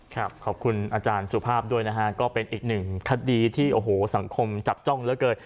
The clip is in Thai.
ขอบคุณอาจารย์สุภาพด้วยนะฮะก็เป็นอีกหนึ่งคดีที่โอ้โหสังคมจับจ้องเหลือเกิน